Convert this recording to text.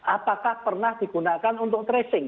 apakah pernah digunakan untuk tracing